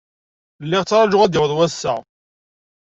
Lliɣ ttṛajuɣ ad d-yaweḍ wass-a.